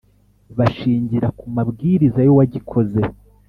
bashingira kumabwiriza y’uwagikoze